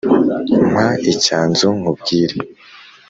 Mpa icyanzu nkubwire